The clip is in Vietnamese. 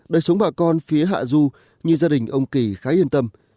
đời sống bà con phía hạ du như gia đình ông kỳ khá yên tâm